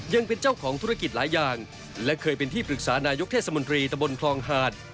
ยังเป็นเจ้าของธุรกิจหลายอย่างและเคยเป็นที่ปรึกษานายกเทศมนตรีตะบนคลองหาด